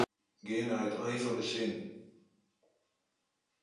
Gean nei it ein fan de sin.